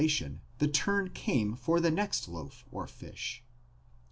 513 tion the turn came for the next loaf or fish.